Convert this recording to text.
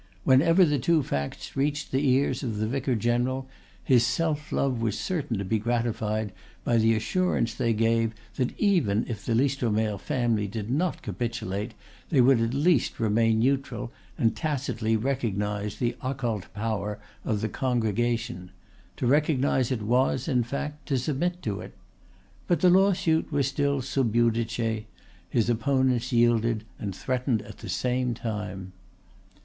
Whenever the two facts reached the ears of the vicar general his self love was certain to be gratified by the assurance they gave that even if the Listomere family did not capitulate they would at least remain neutral and tacitly recognize the occult power of the Congregation, to recognize it was, in fact, to submit to it. But the lawsuit was still sub judice; his opponents yielded and threatened at the same time.